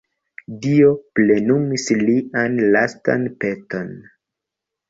Dio plenumis lian lastan peton.